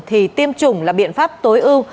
thì tiêm chủng là biện pháp tối ưu